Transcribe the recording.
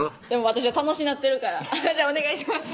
私は楽しなってるから「じゃあお願いします」